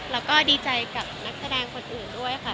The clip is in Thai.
แล้วก็ดีใจกับนักแสดงคนอื่นด้วยค่ะ